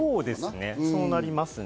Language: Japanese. そうなりますね。